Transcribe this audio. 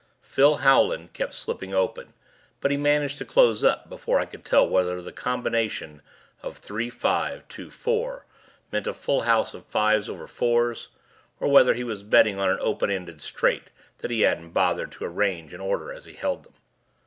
Phil Howland kept slipping open but he managed to close up before I could tell whether the combination of Three Five Two Four meant a full house of fives over fours or whether he was betting on an open ended straight that he hadn't bothered to arrange in order as he held them.